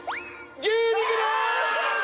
牛肉でーす！